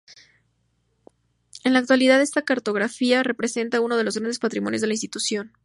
En la actualidad, esta cartografía representa uno de los grandes patrimonios de la institución.